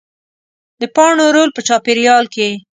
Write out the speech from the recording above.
د پاڼو رول په چاپېریال کې